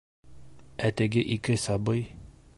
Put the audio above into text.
Ә теге ике сабый.